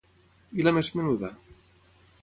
I la més menuda?